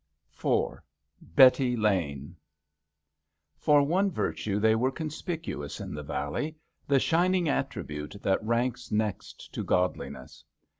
22 ^ IV BETTY LANE For one virtue they were conspicuous in the valley — the shining attribute that ranks next to godliness.